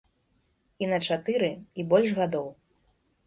І на чатыры, і больш гадоў.